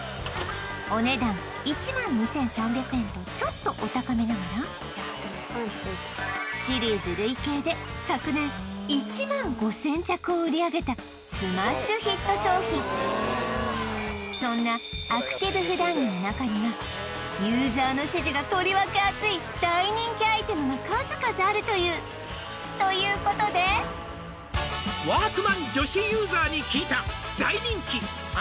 お値段１万２３００円とちょっとお高めながらシリーズ累計で昨年１万５０００着を売り上げたスマッシュヒット商品そんなアクティブ普段着の中にはユーザーの支持がとりわけ熱い大人気アイテムが数々あるというということで「ワークマン女子ユーザーに聞いた」